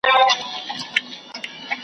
تور وېښته می سپین په انتظار کړله .